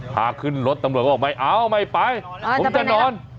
พาขึ้นรถตำรวจก็บอกไม่เอาไม่ไปผมจะนอน